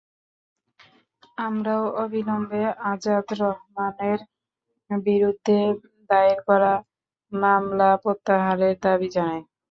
আমরাও অবিলম্বে আজাদ রহমানের বিরুদ্ধে দায়ের করা মামলা প্রত্যাহারের দাবি জানাই।